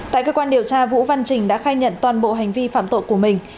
tại cơ quan điều tra vũ văn trình đã khai nhận toàn bộ hành vi phạm tội của mình